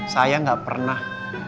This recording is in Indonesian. saya gak pernah